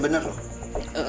begini bang koba